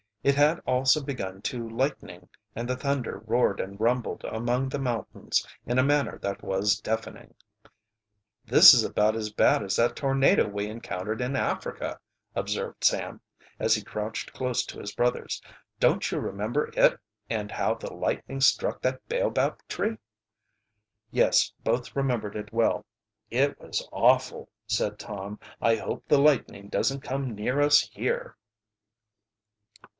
It had also begun to lightning, and the thunder roared and rumbled among the mountains in a manner that was deafening. "This is about as bad as that tornado we encountered in Africa," observed Sam, as he crouched close to his brothers. "Don't you remember it and how the lightning struck that baobab tree?" Yes, both remembered it well. "It was awful," said Tom. "I hope the lightning doesn't come near us here."